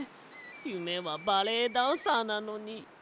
ゆめはバレエダンサーなのに。